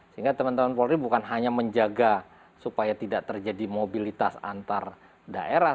sehingga teman teman polri bukan hanya menjaga supaya tidak terjadi mobilitas antar daerah